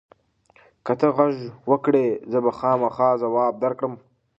که ته غږ وکړې، زه به خامخا ځواب درکړم.